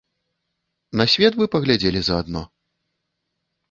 На свет бы паглядзелі заадно?